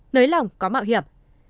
nới lỏng có mạo hiểm